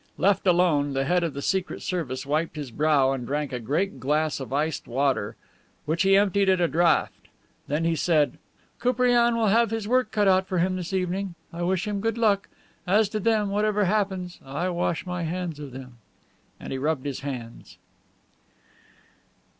Left alone, the head of the Secret Service wiped his brow and drank a great glass of iced water which he emptied at a draught. Then he said: "Koupriane will have his work cut out for him this evening; I wish him good luck. As to them, whatever happens, I wash my hands of them." And he rubbed his hands.